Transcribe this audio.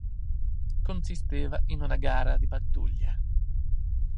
Consisteva in una gara di pattuglia.